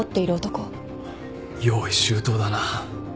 用意周到だな。